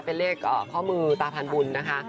เป็นเลขข้อมือตาพันบุญนะคะ